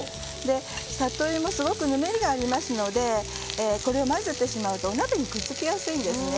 里芋、すごくぬめりがありますので、これを混ぜてしまうとお鍋にくっつきやすいですね。